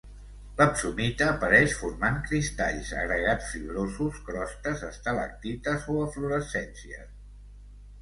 L'epsomita apareix formant cristalls, agregats fibrosos, crostes, estalactites o eflorescències.